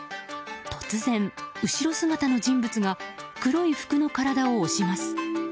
突然、後ろ姿の人物が黒い服の体を押します。